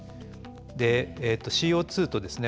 でＣＯとですね